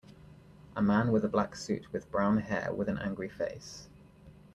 A man with a black suit with brown hair with an angry face.